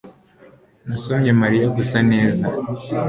nasomye mariya gusa. neza